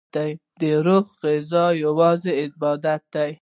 دروح غذا یوازی عبادت دی